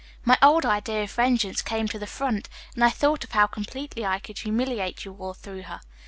"My old idea of vengeance came to the front, and I thought of how completely I could humiliate you all through her.